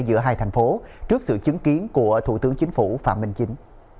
giữa hai thành phố trước sự chứng kiến của thủ tướng chính phủ phạm minh chính